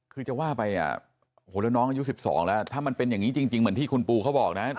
คือจะว่าไปอ่ะโอ้โหแล้วน้องอายุ๑๒แล้วถ้ามันเป็นอย่างนี้จริงเหมือนที่คุณปูเขาบอกนะ